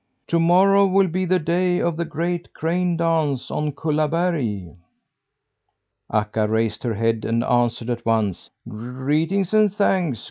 To morrow will be the day of the great crane dance on Kullaberg." Akka raised her head and answered at once: "Greetings and thanks!